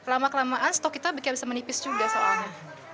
lama kelamaan stok kita bisa menipis juga soalnya